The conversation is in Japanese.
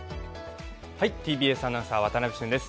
ＴＢＳアナウンサー渡部峻です。